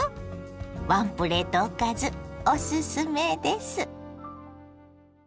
ワンプレートおかずおすすめです。